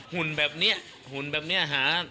หุ่นแบบนี้หุ่นแบบนี้หา